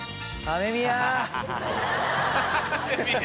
雨宮。